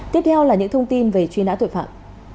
tiếp theo là những thông tin về truy nã tội phạm